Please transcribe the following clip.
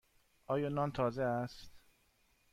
آیا نان تازه است؟